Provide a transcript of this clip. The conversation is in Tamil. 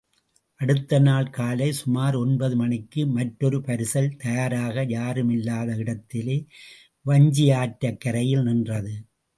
அடுத்த நாள் காலை சுமார் ஒன்பது மணிக்கு மற்றொரு பரிசல் தயாராக, யாருமில்லாத இடத்திலே, வஞ்சியாற்றுக் கரையில் நின்றது.